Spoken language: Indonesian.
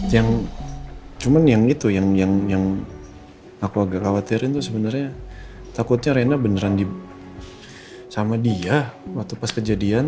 yang cuma yang itu yang aku agak khawatirin tuh sebenarnya takutnya rena beneran sama dia waktu pas kejadian